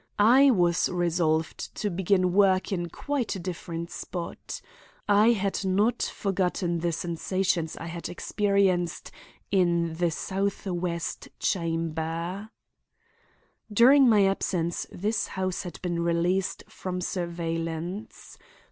I was resolved to begin work in quite a different spot. I had not forgotten the sensations I had experienced in the southwest chamber. During my absence this house had been released from surveillance.